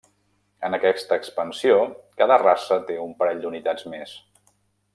En aquesta expansió cada raça té un parell d'unitats més.